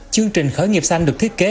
chương trình khởi nghiệp xanh được thiết kế